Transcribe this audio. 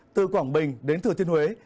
từ quảng bình đến thừa thiên huế